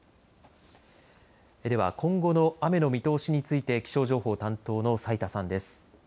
では今後の雨の見通しについて気象情報担当の斉田さんです。